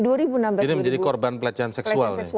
jadi menjadi korban pelecehan seksual